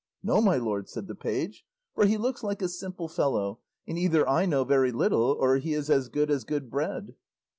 "No, my lord," said the page, "for he looks like a simple fellow, and either I know very little or he is as good as good bread."